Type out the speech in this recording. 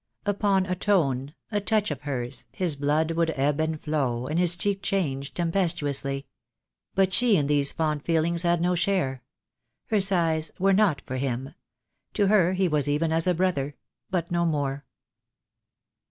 "Upon a tone, A touch of hers, his blood would ebb and flow, And his cheek change tempestuously ... But she in these fond feelings had no share; Her sighs were not for him; to her he was Even as a brother — but no more."